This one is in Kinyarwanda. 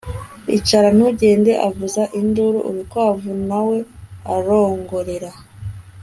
icara ntugende! avuza induru urukwavu, na we arongorera